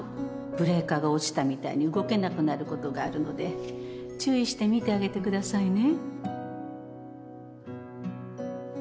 ブレーカーが落ちたみたいに動けなくなることがあるので注意して見てあげてくださいね